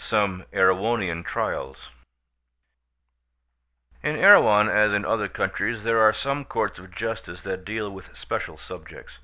SOME EREWHONIAN TRIALS In Erewhon as in other countries there are some courts of justice that deal with special subjects.